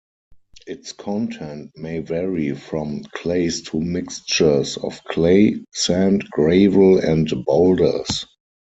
Its content may vary from clays to mixtures of clay, sand, gravel, and boulders.